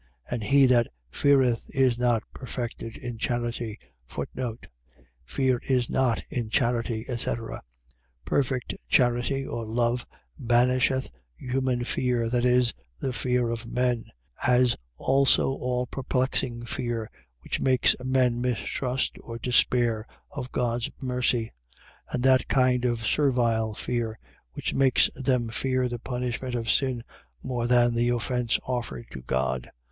And he that feareth is not perfected in charity. Fear is not in charity, etc. . .Perfect charity, or love, banisheth human fear, that is, the fear of men; as also all perplexing fear, which makes men mistrust or despair of God's mercy; and that kind of servile fear, which makes them fear the punishment of sin more than the offence offered to God.